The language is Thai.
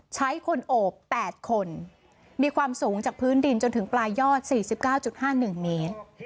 ใช้คนโอบ๘คนมีความสูงจากพื้นดินจนถึงปลายยอด๔๙๕๑เมตร